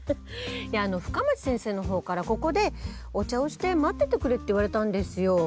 いや深町先生の方からここでお茶をして待っててくれって言われたんですよ。